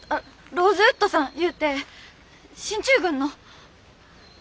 ローズウッドさんいうて進駐軍の。